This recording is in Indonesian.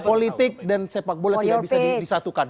politik dan sepak bola tidak bisa disatukan